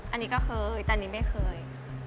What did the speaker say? อันนี้ก็เค้ออีต่านี้ไม่เคย